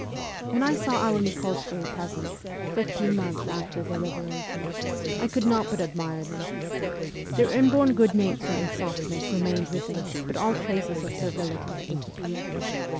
When I saw our Nik61skoye peasants, fifteen months after the liberation, I could not but admire them. Their inborn good nature and softness remained with them, but all traces of servility had disappeared.